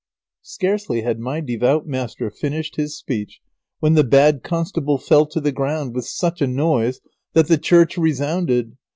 Scarcely had my devout master finished his speech when the bad constable fell to the ground with such a noise that the church resounded.